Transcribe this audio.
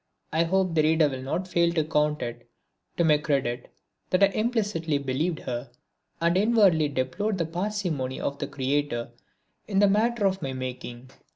I hope the reader will not fail to count it to my credit that I implicitly believed her, and inwardly deplored the parsimony of the Creator in the matter of my making.